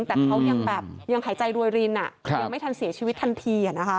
แต่เขายังแบบยังหายใจรวยรินยังไม่ทันเสียชีวิตทันที